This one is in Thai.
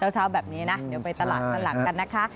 เช้าแบบนี้นะเดี๋ยวไปตลาดข้างหลังกันนะคะ